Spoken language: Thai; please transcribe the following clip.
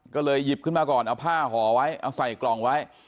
ก็เลยหยิบขึ้นมาก่อนเอาผ้าห่อไว้เอาใส่กล่องไว้